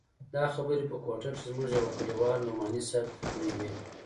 دا خبرې په کوټه کښې زموږ يوه کليوال نعماني صاحب ته کړې وې.